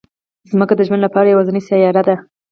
ځمکه د ژوند لپاره یوازینی سیاره ده